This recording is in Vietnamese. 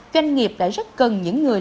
doanh nghiệp đã rất cần những người